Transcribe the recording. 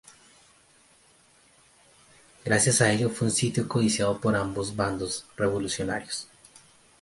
Gracias a ello fue un sitio codiciado por ambos bandos revolucionarios.